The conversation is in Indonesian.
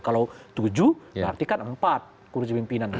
kalau tujuh artikan empat kursi pimpinan